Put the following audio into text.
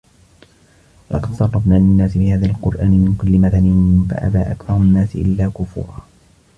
ولقد صرفنا للناس في هذا القرآن من كل مثل فأبى أكثر الناس إلا كفورا